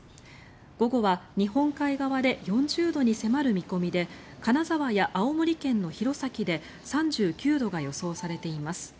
午後は日本海側で４０度に迫る見込みで金沢や青森県の弘前で３９度が予想されています。